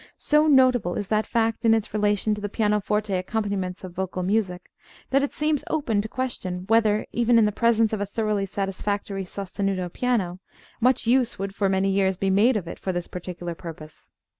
So notable is that fact in its relation to the pianoforte accompaniments of vocal music, that it seems open to question whether, even in the presence of a thoroughly satisfactory sostenuto piano, much use would for many years be made of it for this particular purpose.